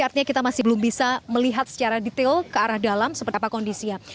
artinya kita masih belum bisa melihat secara detail ke arah dalam seperti apa kondisinya